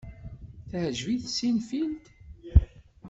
Teɛjeb-ik Seinfeld?